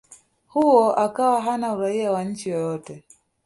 huo akawa hana Uraia wa nchi yoyote